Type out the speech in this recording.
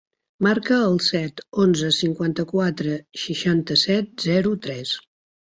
Marca el set, onze, cinquanta-quatre, seixanta-set, zero, tres.